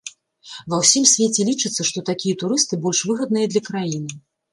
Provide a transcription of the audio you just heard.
Ва ўсім свеце лічыцца, што такія турысты больш выгадныя для краіны.